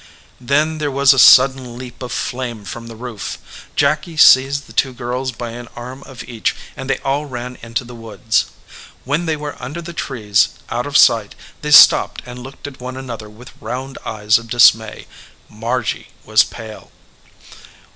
Then there was a sudden leap of flame from the roof. Jacky seized the two girls by an arm of each, and they all ran into the woods. When they were under the trees, out of sight, they stopped and looked at one another with round eyes of dismay. Margy was pale.